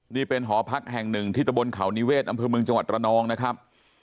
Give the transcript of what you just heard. นี่เป็นหอพักแห่งหนึ่งที่ตะบนเขานิเวศอำเภอเมืองจังหวัดระนองนะครับ